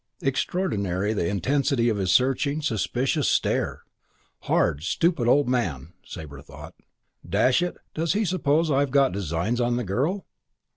Extraordinary the intensity of his searching, suspicious stare! Hard, stupid old man, Sabre thought. "Dash it, does he suppose I've got designs on the girl?"